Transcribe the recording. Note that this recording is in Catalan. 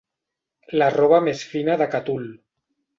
La roba més fina de Catul.